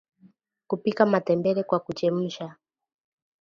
Kupika matembele kwa kuchemsha